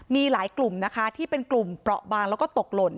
มีหลายกลุ่มนะคะที่เป็นกลุ่มเปราะบางแล้วก็ตกหล่น